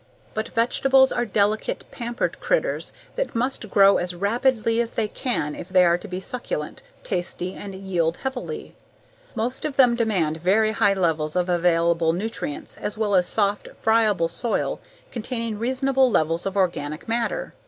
But vegetables are delicate, pampered critters that must grow as rapidly as they can grow if they are to be succulent, tasty, and yield heavily. Most of them demand very high levels of available nutrients as well as soft, friable soil containing reasonable levels of organic matter.